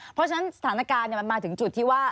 เพราะฉะนั้นสถานการณ์มันมาถึงจุดที่ว่า